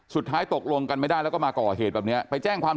สุดท้ายตกลงกันไม่ได้แล้วก็มาก่อเหตุแบบนี้ไปแจ้งความ